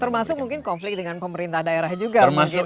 termasuk mungkin konflik dengan pemerintah daerah juga mungkin